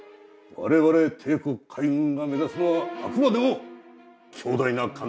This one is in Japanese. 我々帝国海軍が目指すのはあくまでも強大な艦隊だ。